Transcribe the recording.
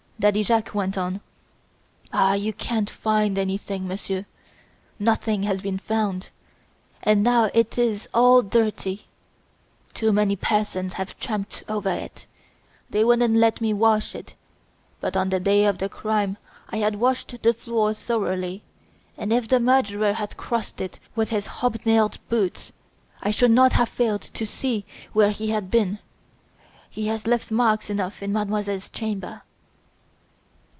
Daddy Jacques went on: "Ah! you can't find anything, monsieur. Nothing has been found. And now it is all dirty; too many persons have tramped over it. They wouldn't let me wash it, but on the day of the crime I had washed the floor thoroughly, and if the murderer had crossed it with his hobnailed boots, I should not have failed to see where he had been; he has left marks enough in Mademoiselle's chamber."